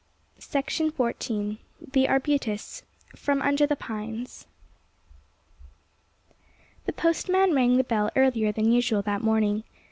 THE ARBUTUS THE ARBUTUS FROM UNDER THE PINES The postman rang the bell earlier than usual that morning.